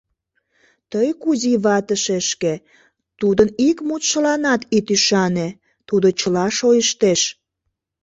Тый, Кузий вате шешке, тудын ик мутшыланат ит ӱшане: тудо чыла шойыштеш.